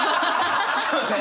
すみません！